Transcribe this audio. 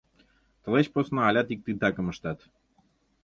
Тылеч посна алят ик титакым ыштат.